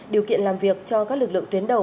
điều kiện làm việc cho các lực lượng tuyến đầu